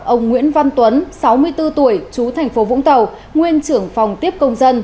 ông nguyễn văn tuấn sáu mươi bốn tuổi chú tp vũng tàu nguyên trưởng phòng tiếp công dân